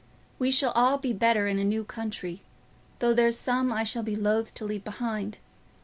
We shall all be better in a new country, though there's some I shall be loath to leave behind.